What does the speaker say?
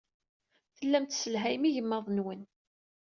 Tellam tesselhayem igmaḍ-nwen.